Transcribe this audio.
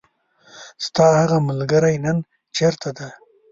ستاهغه ملګری نن چیرته ده .